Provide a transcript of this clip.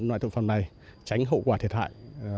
loại tội phạm này tránh hậu quả thiệt hại